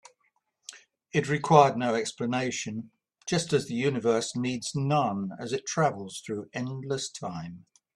It required no explanation, just as the universe needs none as it travels through endless time.